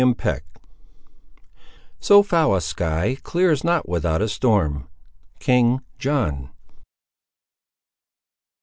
CHAPTER XI So foul a sky clears not without a storm. —King John.